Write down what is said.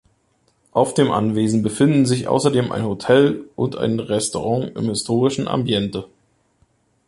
Auf dem Anwesen befinden sich außerdem ein Hotel und ein Restaurant in historischem Ambiente.